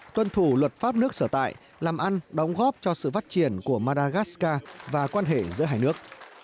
tuân thủ luật pháp nước sở tại làm ăn đóng góp cho sự phát triển của madagascar và quan hệ giữa hai nước